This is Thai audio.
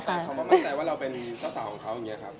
เขาก็มั่นใจว่าเราเป็นเจ้าสาวของเขาอย่างนี้ครับ